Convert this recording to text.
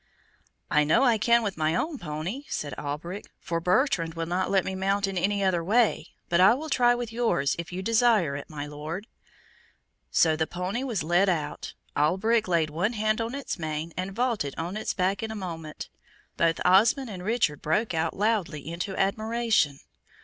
"I know I can with my own pony," said Alberic, "for Bertrand will not let me mount in any other way; but I will try with yours, if you desire it, my Lord." So the pony was led out. Alberic laid one hand on its mane, and vaulted on its back in a moment. Both Osmond and Richard broke out loudly into admiration.